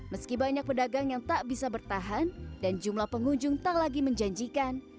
meski banyak pedagang yang tak bisa bertahan dan jumlah pengunjung tak lagi menjanjikan